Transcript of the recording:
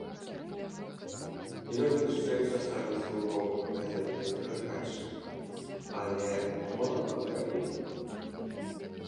Ён яшчэ часамі слухаў газетныя перадачы, але мала калі.